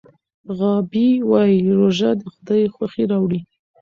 غابي وایي روژه د خدای خوښي راوړي.